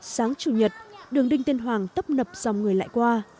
sáng chủ nhật đường đinh tiên hoàng tấp nập dòng người lại qua